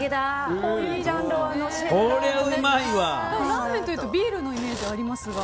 ラーメンというとビールのイメージありますが。